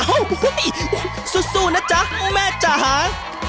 โอ้โหสู้นะจ๊ะแม่จ๋า